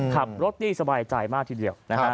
ขับรถที่สบายใจมากทีเดียว